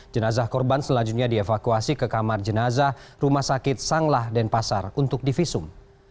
jenazah korban selanjutnya dievakuasi ke kamar jenazah rumah sakit sanglah denpasar untuk divisum